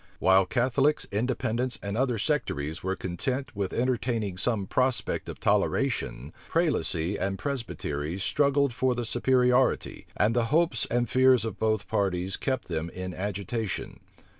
While Catholics, Independents, and other sectaries were content with entertaining some prospect of toleration, Prelacy and Presbytery struggled for the superiority, and the hopes and fears of both parties kept them in agitation.